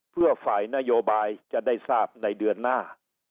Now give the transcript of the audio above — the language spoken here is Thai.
เพื่อฝ่ายนโยบายจะได้ทราบในเดือนหน้า